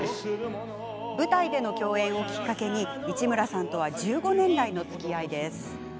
舞台での共演をきっかけに市村さんとは１５年来のつきあいです。